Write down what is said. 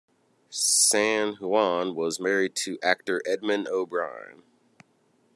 San Juan was married to actor Edmond O'Brien.